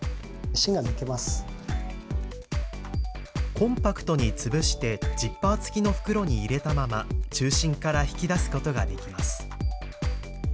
コンパクトに潰してジッパー付きの袋に入れたまま中心から引き出すことができます。